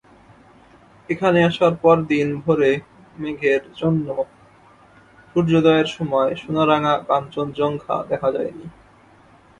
এখানে আসার পরদিন ভোরে মেঘের জন্য সূর্যোদয়ের সময় সোনারাঙা কাঞ্চনজঙ্ঘা দেখা যায়নি।